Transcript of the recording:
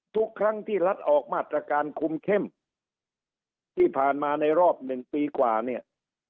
ทุกครั้งที่รัฐออกมาตรการคุมเข้มที่ผ่านมาในรอบหนึ่งปีกว่าเนี่ย